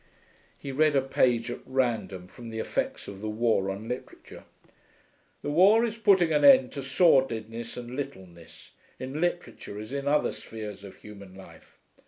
He read a page at random from The Effects of the War on Literature. 'The war is putting an end to sordidness and littleness, in literature as in other spheres of human life.